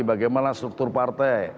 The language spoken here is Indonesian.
bagaimana struktur partai